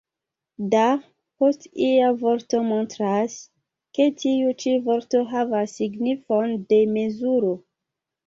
« Da » post ia vorto montras, ke tiu ĉi vorto havas signifon de mezuro.